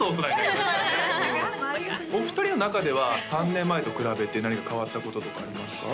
うんお二人の中では３年前と比べて何か変わったこととかありますか？